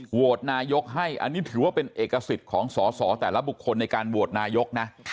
โหวตนายกให้อันนี้ถือว่าเป็นเอกสิทธิ์ของสอสอแต่ละบุคคลในการโหวตนายกนะ